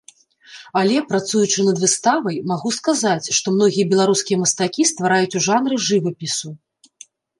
Але, працуючы над выставай, магу сказаць, што многія беларускія мастакі ствараюць у жанры жывапісу.